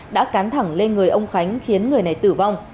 đã cắn thẳng lên người ông khánh khiến người này tử vong